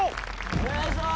お願いします！